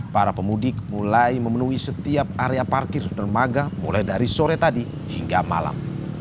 para pemudik mulai memenuhi setiap area parkir dermaga mulai dari sore tadi hingga malam